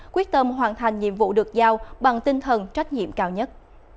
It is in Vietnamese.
quyết tâm hoàn thành nhiệm vụ được giao bằng tinh thần trách nhiệm cao nhất